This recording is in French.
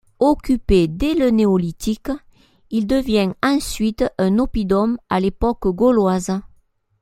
Occupé dès le Néolithique, il devient ensuite un oppidum à l'époque gauloise.